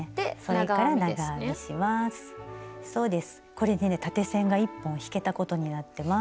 これでね縦線が１本引けたことになってます。